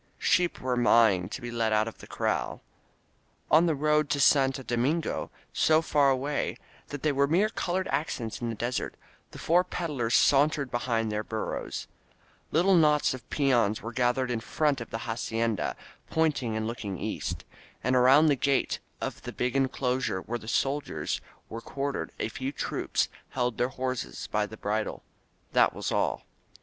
Sheep were maaing to be let out of the corral. On the road to Santo Domingo, so far away that they were mere col ored accents in the desert, the four peddlers sauntered behind their burros. Little knots of peons were 81 INSURGENT MEXICO gathered in front of the hacienda, pointing and looking east. And around the gate of the big enclosure where the soldiers were quartered a few troopers held their horses by the bridle. That was all.